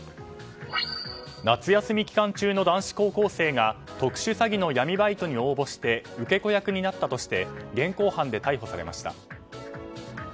夏休み期間中の男子高校生が特殊詐欺の闇バイトに応募して受け子役になったとして現行犯で逮捕されました。